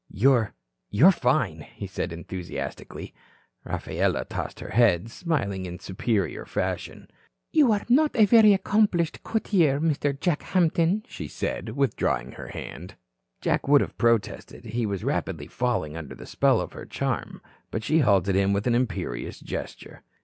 "You're you're fine," he said, enthusiastically. Rafaela tossed her head, smiling in superior fashion. "You are not a very accomplished courtier, Mr. Jack Hampton," she said, withdrawing her hand. Jack would have protested. He was rapidly falling under the spell of her charm. But she halted him with an imperious gesture.